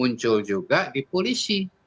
muncul juga di polisi